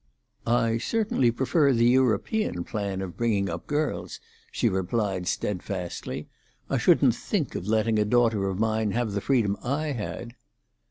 "I certainly prefer the European plan of bringing up girls," she replied steadfastly. "I shouldn't think of letting a daughter of mine have the freedom I had."